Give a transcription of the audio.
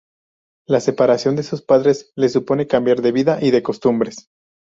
La separación de sus padres les supone cambiar de vida y de costumbres.